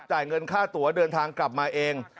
จ่ายเงินค่าตัวเดินทางกลับมาเอง